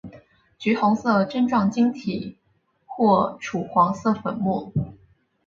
橘红色针状晶体或赭黄色粉末。